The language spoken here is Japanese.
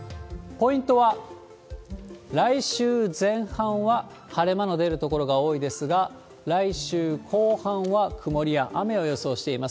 ポイントは来週前半は晴れ間の出る所が多いですが、来週後半は曇りや雨を予想しています。